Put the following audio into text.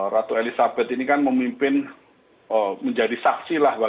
ratu elizabeth ini kan memimpin menjadi saksi lah